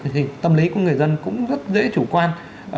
thì tâm lý của người dân cũng rất dễ chủ quan